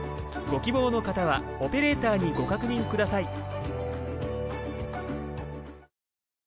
ご希望の方はオペレーターにご確認ください。